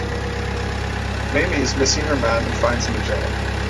Mamie is missing her man, and finds him in jail.